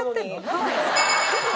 何？